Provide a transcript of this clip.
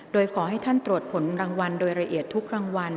โดยขอให้ท่านตรวจผลรางวัลโดยละเอียดทุกรางวัล